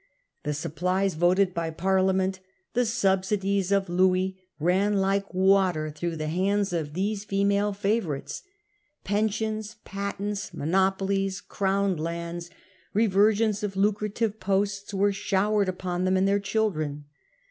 The supplies voted by Parliament, the subsidies ot Louis, ran like water through the hands of these female Squandering favourites. Pensions, patents', monopolies, of money, crown lands, reversions of lucrative posts, were showered upon them and their children.